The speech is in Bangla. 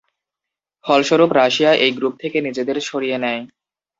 ফলস্বরূপ রাশিয়া এই গ্রুপ থেকে নিজেদের সরিয়ে নেয়।